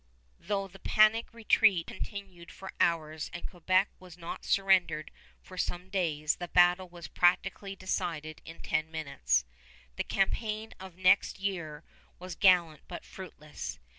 Though the panic retreat continued for hours and Quebec was not surrendered for some days, the battle was practically decided in ten minutes. The campaign of the next year was gallant but fruitless.